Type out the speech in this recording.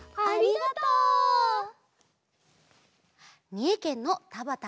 みえけんのたばた